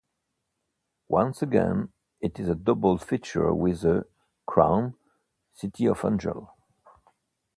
Once again, it is a double feature with "The Crow: City of Angels".